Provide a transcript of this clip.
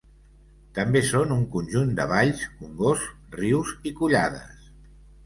També són un conjunt de valls, congosts, rius i collades.